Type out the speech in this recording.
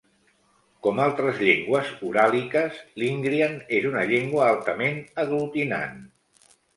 Com altres llengües uràliques, l'ingrian és una llengua altament aglutinant.